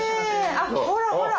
あっほらほら